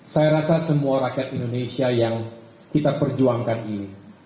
saya rasa semua rakyat indonesia yang kita perjuangkan ini